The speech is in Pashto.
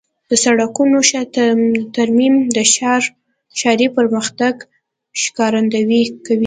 د سړکونو ښه ترمیم د ښاري پرمختګ ښکارندویي کوي.